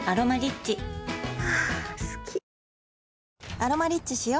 「アロマリッチ」しよ